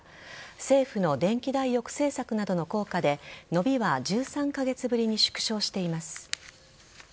政府の電気代抑制策などの効果で伸びは１３カ月ぶりに縮小しています。